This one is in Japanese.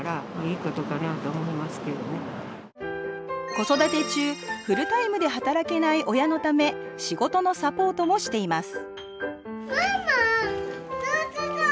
子育て中フルタイムで働けない親のため仕事のサポートもしています